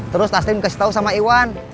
terus taslim kasih tau sama iwan